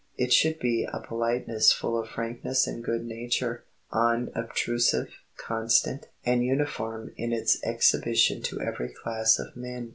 It should be a politeness full of frankness and good nature, unobtrusive, constant, and uniform in its exhibition to every class of men.